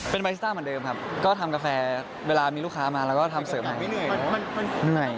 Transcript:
เป็นใบสต้าเหมือนเดิมครับก็ทำกาแฟเวลามีลูกค้ามาแล้วก็ทำเสริมใหม่